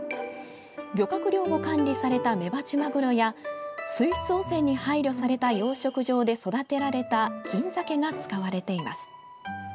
漁獲量を管理されたメバチマグロや水質汚染に配慮された養殖場で育てられた銀ざけが使われています。